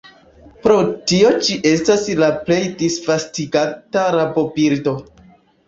Pro tio ĝi estas la plej disvastigata rabobirdo.